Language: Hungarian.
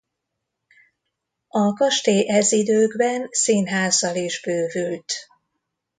A kastély ez időkben színházzal is bővült.